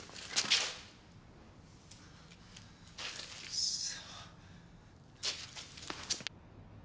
くそ。